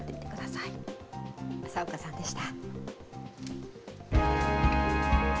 浅岡さんでした。